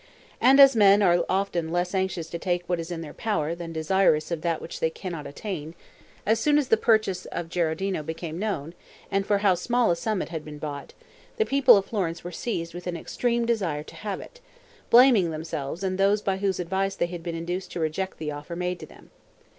And as men are often less anxious to take what is in their power than desirous of that which they cannot attain, as soon as the purchase of Gherardino became known, and for how small a sum it had been bought, the people of Florence were seized with an extreme desire to have it, blaming themselves and those by whose advice they had been induced to reject the offer made to them.